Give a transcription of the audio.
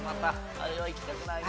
あれはいきたくないのよ。